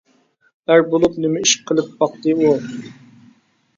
ئەر بولۇپ نېمە ئىش قىلىپ باقتى ئۇ.